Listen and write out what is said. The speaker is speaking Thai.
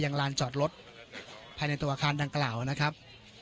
ลานจอดรถภายในตัวอาคารดังกล่าวนะครับ